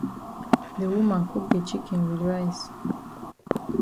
De woman cook de chicken wit rice.